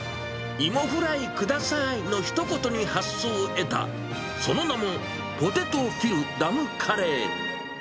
芋フライくださいのひと言に発想を得た、その名もポテトフィルダムカレー。